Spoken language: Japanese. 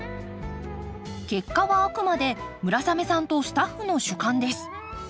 結果はあくまで村雨さんとスタッフの主観です。